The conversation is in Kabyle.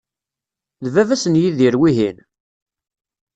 D baba-s n Yidir, wihin?